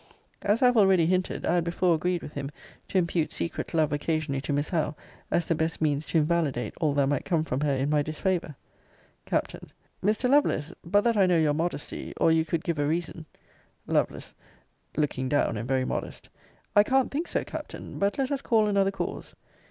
As I have already hinted, I had before agreed with him to impute secret love occasionally to Miss Howe, as the best means to invalidate all that might come from her in my disfavour. Capt. Mr. Lovelace, but that I know your modesty, or you could give a reason Lovel. Looking down, and very modest I can't think so, Captain but let us call another cause.